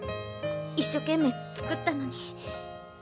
一生懸命作ったのに